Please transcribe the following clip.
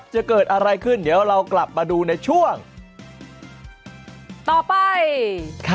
จะเกิดอะไรขึ้นเดี๋ยวเรากลับมาดูในช่วงต่อไปค่ะ